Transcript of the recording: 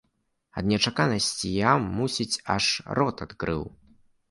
Ад нечаканасці я, мусіць, аж рот адкрыў.